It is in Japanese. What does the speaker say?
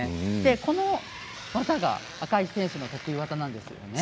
この技が、赤石選手の得意技なんですよね。